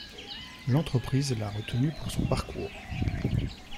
L'entreprise l'a retenu pour son parcours.